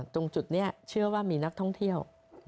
ตรงจุดนี้เชื่อว่ามีนักท่องเที่ยว